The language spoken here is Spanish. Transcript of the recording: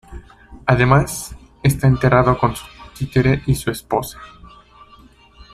Además, está enterrado con su títere y su esposa.